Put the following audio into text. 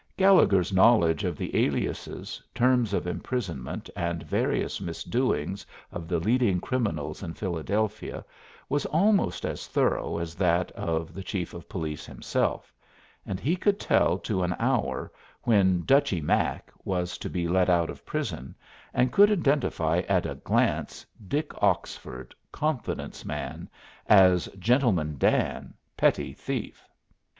Gallegher's knowledge of the aliases, terms of imprisonment, and various misdoings of the leading criminals in Philadelphia was almost as thorough as that of the chief of police himself, and he could tell to an hour when "Dutchy Mack" was to be let out of prison, and could identify at a glance "Dick Oxford, confidence man," as "Gentleman Dan, petty thief."